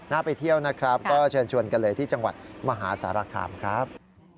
ไปเที่ยวนะครับก็เชิญชวนกันเลยที่จังหวัดมหาสารคามครับ